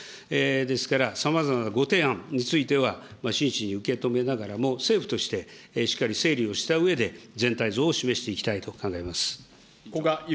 ですから、さまざまなご提案については、真摯に受け止めながらも、政府としてしっかり整理をしたうえで、全体像を示していきたいと古賀之